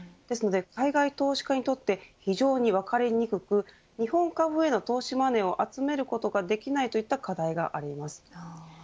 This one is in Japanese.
ですので、海外投資家にとって非常に分かりにくく日本株への投資マネーを集めることができないといった課題があります。